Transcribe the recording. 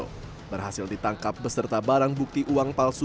misalkan itu ditempelkan ke kertas uang atau uang palsu